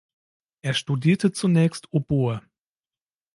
Er studierte zunächst Oboe.